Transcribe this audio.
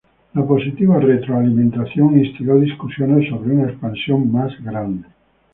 La positiva retroalimentación instigó discusiones sobre una expansión más grande.